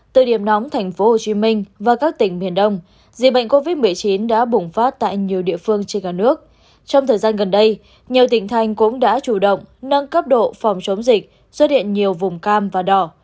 trong thời gian gần đây nhiều tỉnh thành cũng đã chủ động nâng cấp độ phòng chống dịch do điện nhiều vùng cam và đỏ